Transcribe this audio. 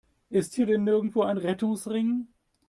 Ist hier denn nirgendwo ein Rettungsring?